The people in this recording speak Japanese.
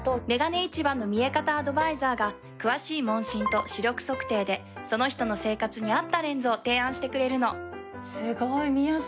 眼鏡市場の見え方アドバイザーが詳しい問診と視力測定でその人の生活に合ったレンズを提案してくれるの。